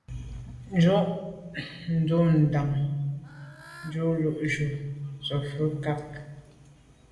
Njù num ndàn njon le’njù fa bo sô yub nkage.